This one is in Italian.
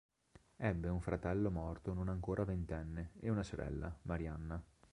Ebbe un fratello morto non ancora ventenne e una sorella, Marianna.